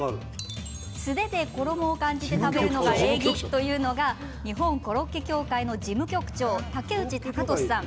素手で衣を感じて食べるのが礼儀というのが日本コロッケ協会の事務局長、竹内琢俊さん。